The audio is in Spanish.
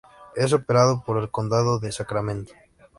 Es operado por el Condado de Sacramento.